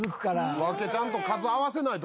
ちゃんと数合わせないと。